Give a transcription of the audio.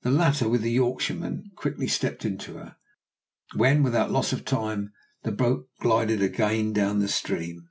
The latter with the Yorkshireman quickly stepped into her, when without loss of time the boat glided again down the stream.